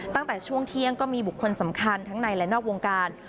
ตั้งแต่ช่วงเที่ยงก็มีบุคคลสำคัญทั้งในและนอกวงการ